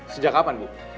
sejak kapan bu